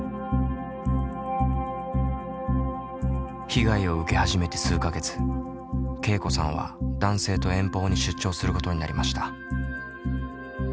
被害を受け始めて数か月けいこさんは男性と遠方に出張することになりました。